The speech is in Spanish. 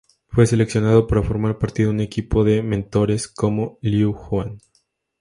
Fue seleccionado para formar parte de un equipo de mentores como Liu Huan.